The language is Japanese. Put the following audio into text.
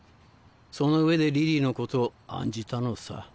その上でリリーのことを案じたのさ。